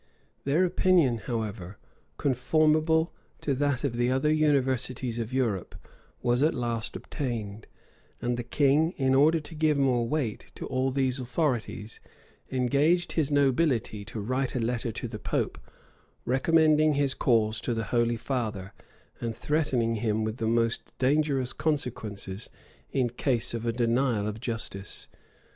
Their opinion, however, conformable to that of the other universities of Europe, was at last obtained; and the king, in order to give more weight to all these authorities, engaged his nobility to write a letter to the pope, recommending his cause to the holy father, and threatening him with the most dangerous consequences in case of a denial of justice.